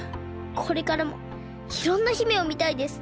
これからもいろんな姫をみたいです。